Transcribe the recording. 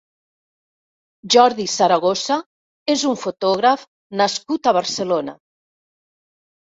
Jordi Saragossa és un fotògraf nascut a Barcelona.